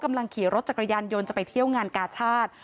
กำลังขี่รถจักรยานยนต์จะไปเที่ยวงานกาชาติ